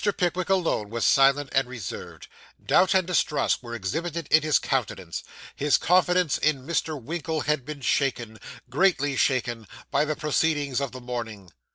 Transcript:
Pickwick alone was silent and reserved. Doubt and distrust were exhibited in his countenance. His confidence in Mr. Winkle had been shaken greatly shaken by the proceedings of the morning.